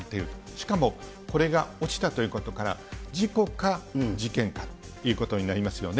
しかも、これが落ちたということから、事故か事件かということになりますよね。